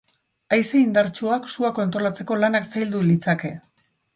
Haize indartsuak sua kontrolatzeko lanak zaildu litzake.